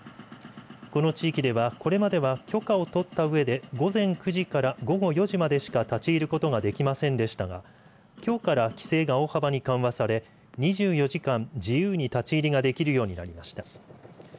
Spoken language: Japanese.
この地域では、これまでは許可を取ったうえで午前９時から午後４時までしか立ち入ることができませんでしたがきょうから規制が大幅に緩和され２４時間、自由に立ち入りができるようになりました。